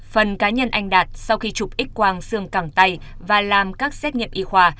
phần cá nhân anh đạt sau khi chụp x quang xương cẳng tay và làm các xét nghiệm y khoa